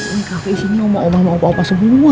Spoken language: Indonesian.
ini cafe sini sama sama sama sama semua ya